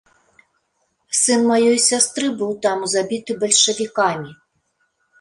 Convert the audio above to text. Сын маёй сястры быў там забіты бальшавікамі.